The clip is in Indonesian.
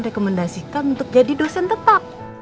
rekomendasikan untuk jadi dosen tetap